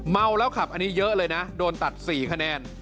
เมาแล้วขับอันนี้เยอะเลยนะโดนตัด๔คะแนน